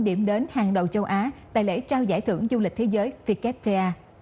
điểm đến hàng đầu châu á tại lễ trao giải thưởng du lịch thế giới wtr